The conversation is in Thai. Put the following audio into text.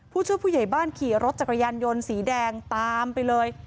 ผู้ช่วยผู้ใหญ่บ้านขี่รถจักรยานยนต์สีแดงตามไปเลย